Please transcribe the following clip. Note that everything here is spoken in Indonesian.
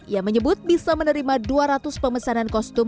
ia menyebut bisa menerima dua ratus pemesanan kostum